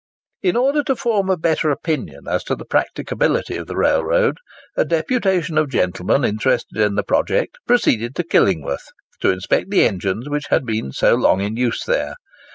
In order to form a better opinion as to the practicability of the railroad, a deputation of gentlemen interested in the project proceeded to Killingworth, to inspect the engines which had been so long in use there.